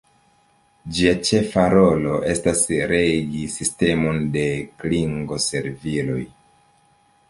Ĝia ĉefa rolo estas regi sistemon de klingo-serviloj.